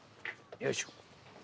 よいしょ。